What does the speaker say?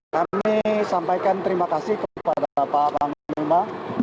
kami sampaikan terima kasih kepada pak panglima